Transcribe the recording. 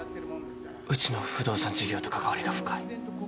うちの不動産事業と関わりが深い。